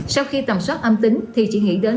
sau khi tầm soát âm tính thì chỉ nghĩ đến